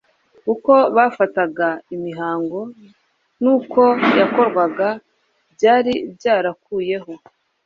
Uko bafataga imihango n’uko yakorwaga byari byarakuyeho